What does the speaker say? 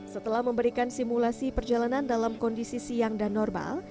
setelah memberikan simulasi perjalanan dalam kondisi siang dan normal